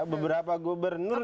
beberapa gubernur itu